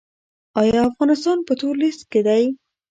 آیا افغانستان په تور لیست کې دی؟